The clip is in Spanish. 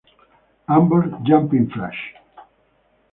Ambos "Jumping Flash!